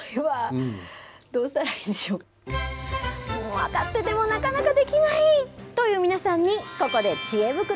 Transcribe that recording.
分かっててもなかなかできないという皆さんに、ここでちえ袋。